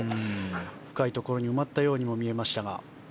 深いところに埋まったようにも見えましたが。